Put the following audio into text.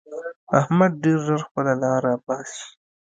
احمد ډېر ژر خپله لاره باسي.